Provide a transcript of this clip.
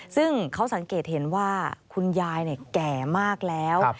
ซึ่งเขาสังเกตเห็นว่าคุณยายแก่มากแล้ว